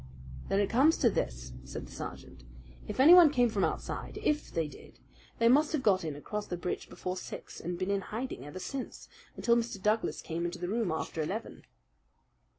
"Then it comes to this," said the sergeant: "If anyone came from outside IF they did they must have got in across the bridge before six and been in hiding ever since, until Mr. Douglas came into the room after eleven."